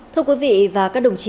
thưa quý vị và các đồng chí